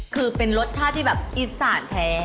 คือเป็นรสชาติที่แบบอีสานแท้